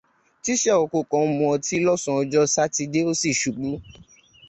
Tíṣà oko kan mu ọtí lọ́sàán ọjọ́ Sátidé, ó sì ṣubú